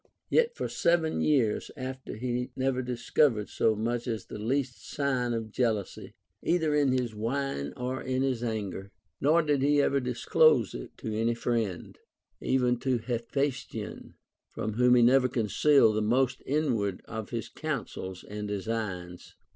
Yet for seven years after he never discovered so much as the least sign of jealousy, either in his wine or in his anger ; nor did he ever disclose it to any friend, even to Hephaes tion, from Avhom he never concealed the most inward of his counsels and designs.